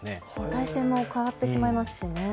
態勢も変わってしまいますしね。